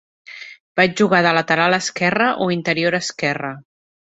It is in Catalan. Va jugar de lateral esquerre o interior esquerre.